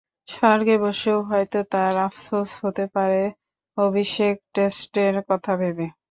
স্বর্গে বসেও হয়তো তাঁর আফসোস হতে পারে অভিষেক টেস্টের কথা ভেবে।